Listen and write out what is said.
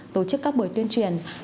tổ chức các buổi tuyên truyền